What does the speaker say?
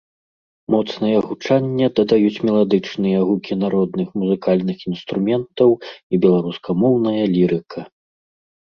Моцнае гучанне дадаюць меладычныя гукі народных музыкальных інструментаў і беларускамоўная лірыка.